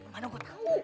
mana gua tahu